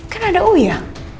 kan ada uya